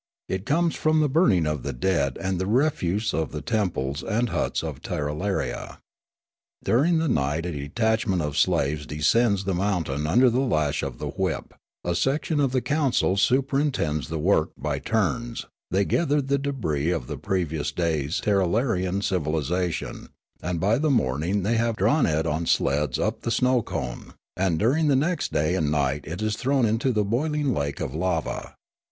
It comes from the burning of the dead and of the refuse of the temples and huts of Tirralaria. During the night a detach ment of slaves descends the mountain under the lash of the whip; a section of the council superintends the work by turns ; they gather the debris of the previous day's Tirralarian civilisation, and by the morning they have Sneekape 159 drawn it on sleds up the snow cone ; and during the next da)^ and night it is thrown into the boiling lake of lava.